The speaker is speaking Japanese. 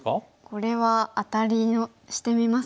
これはアタリしてみますか。